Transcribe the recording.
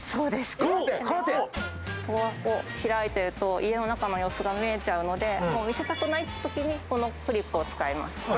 ここが開いてると家の中の様子が見えちゃうので、見せたくない時にこのクリップを使います。